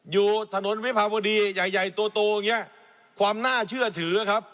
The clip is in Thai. อยู่ถนนวิภาวดีใหญ่ใหญ่โตอย่างเงี้ยความน่าเชื่อถือครับ